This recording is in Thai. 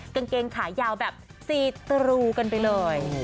กางเกงขายาวแบบซีตรูกันไปเลย